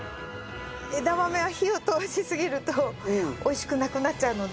枝豆は火を通しすぎると美味しくなくなっちゃうので。